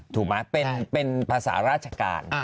ถูกไหมเป็นภาษาราชการ